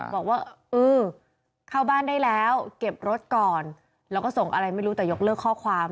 บอกว่าเออเข้าบ้านได้แล้วเก็บรถก่อนแล้วก็ส่งอะไรไม่รู้แต่ยกเลิกข้อความ